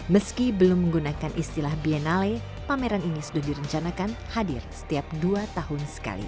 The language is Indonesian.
meski belum menggunakan istilah biennale pameran ini sudah direncanakan hadir setiap dua tahun sekali